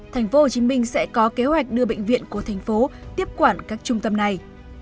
tp hcm sẽ có kế hoạch đưa bệnh viện của thành phố tiếp quản các trung tâm này